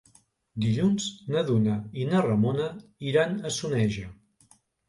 Dilluns na Duna i na Ramona iran a Soneja.